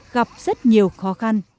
gặp rất nhiều khó khăn